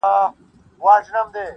بې فایده وه چي وهله یې زورونه -